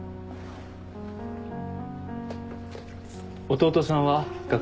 弟さんは学生？